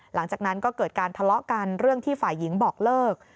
หลังจากนั้นก็เกิดการทะเลาะกันเรื่องที่ฝ่ายหญิงบอกเลิก